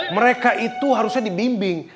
mereka itu harusnya dibimbing